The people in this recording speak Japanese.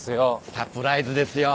サプライズですよ